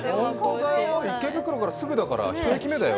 池袋からすぐだから、１駅目だよ。